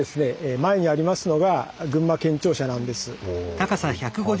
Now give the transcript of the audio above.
前にありますのが群馬県庁舎なんです。